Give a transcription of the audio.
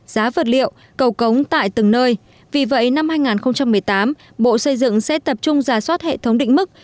giá vật liệu cầu cống tại từng nơi vì vậy năm hai nghìn một mươi tám bộ xây dựng sẽ tập trung giả soát hệ thống định mức